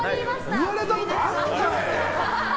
言われたことあるかな？